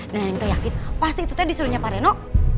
neneng teh yakin pasti itu tuh disuruhnya pak reno